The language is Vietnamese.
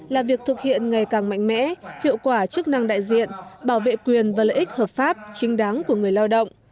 là việc thực hiện ngày càng mạnh mẽ hiệu quả chức năng đại diện bảo vệ quyền và lợi ích hợp pháp chính đáng của người lao động